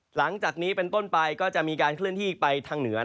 หลังจากนี้เป็นต้นไปก็จะมีการเคลื่อนที่ไปทางเหนือ